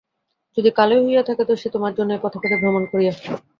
যদি কালোই হইয়া থাকে তো সে তোমার জন্যই পথে পথে ভ্রমণ করিয়া।